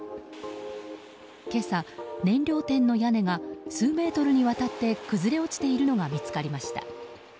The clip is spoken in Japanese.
今朝、燃料店の屋根が数メートルにわたって崩れ落ちているのが見つかりました。